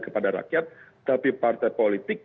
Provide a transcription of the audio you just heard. kepada rakyat tapi partai politik